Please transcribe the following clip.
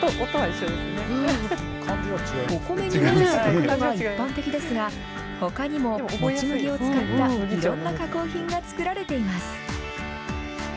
お米に混ぜて炊くのが一般的ですが、ほかにも、もち麦を使ったいろんな加工品が作られています。